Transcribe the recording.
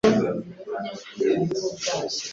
Ntushaka kumenya impamvu ntabikoze?